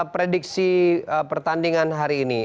potensi pertandingan hari ini